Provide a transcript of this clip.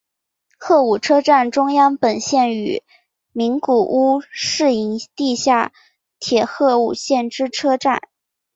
鹤舞车站中央本线与名古屋市营地下铁鹤舞线之车站。